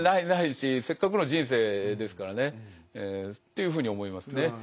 ないですしせっかくの人生ですからねっていうふうに思いますね。